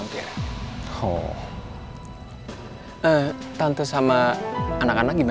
durung earth mereka kenapa